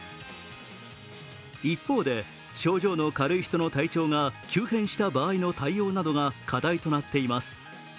一方で、症状の軽い人の体調が急変した場合の対応などが課題となっています。